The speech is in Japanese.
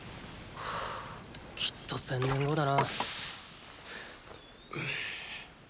はぁきっと１０００年後だな。